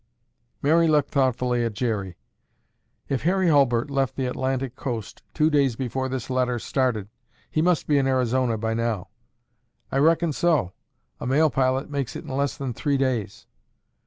Mary looked thoughtfully at, Jerry. "If Harry Hulbert left the Atlantic coast two days before this letter started, he must be in Arizona by now." "I reckon so. A mail pilot makes it in less than three days."